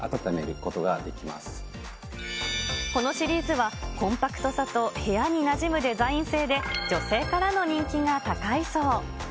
このシリーズは、コンパクトさと部屋になじむデザイン製で、女性からの人気が高いそう。